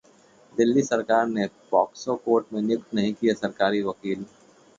दिल्ली सरकार ने POCSO court मे नियुक्त नहीं किए सरकारी वकील